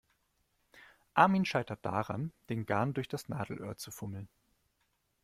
Armin scheitert daran, den Garn durch das Nadelöhr zu fummeln.